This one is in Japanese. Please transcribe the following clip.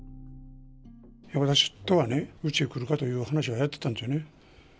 私とはね、うちへ来るかという話をやってたんですよね。